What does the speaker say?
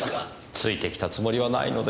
ついてきたつもりはないのですがねぇ。